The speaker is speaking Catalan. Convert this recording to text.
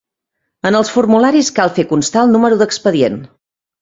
En els formularis cal fer constar el número d'expedient.